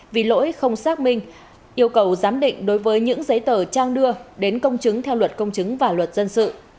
vì lỗi không xác minh yêu cầu giám định đối với những giấy tờ trang đưa đến công chứng theo luật công chứng và luật dân sự